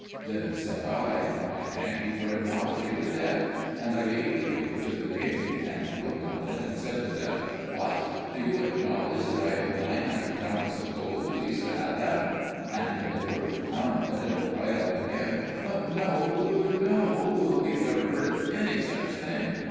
Then said I, "I thank you for acknowledging the debt." And I gave the paper to the king, and he looked on it and said to them, "What! Do you acknowledge that I owe nine hundred talents of gold to Esarhaddon?" And they were confounded, and cried out again, "No! no! we have never heard of any such thing."